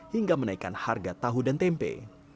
hingga menaikkan harga tahu dan tempe